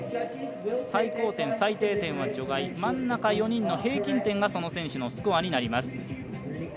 最高点、最低点は除外、真ん中４人の平均点がその選手のスコアになります。